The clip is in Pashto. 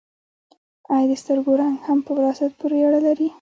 ایا د سترګو رنګ هم په وراثت پورې اړه لري